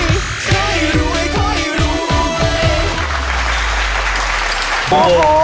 โอ้โห